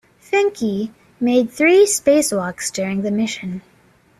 Fincke made three spacewalks during the mission.